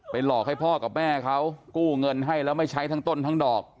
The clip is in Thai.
หลอกให้พ่อกับแม่เขากู้เงินให้แล้วไม่ใช้ทั้งต้นทั้งดอก